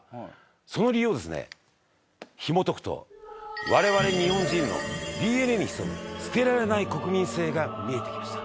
その理由をですねひもとくと我々日本人のＤＮＡに潜む捨てられない国民性が見えてきました。